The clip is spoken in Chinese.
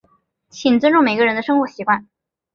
请尊重每个人的生活习惯。